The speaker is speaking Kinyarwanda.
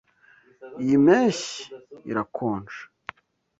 Iyi mpeshyi irakonje.